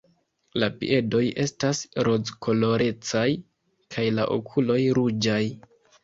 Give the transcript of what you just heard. La piedoj estas rozkolorecaj kaj la okuloj ruĝaj.